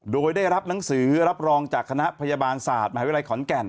โดยได้รับหนังสือรับรองจากคณะพยาบาลศาสตร์มหาวิทยาลัยขอนแก่น